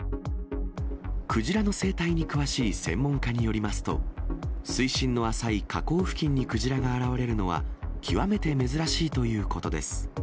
クジラの生態に詳しい専門家によりますと、水深の浅い河口付近にクジラが現れるのは、極めて珍しいということです。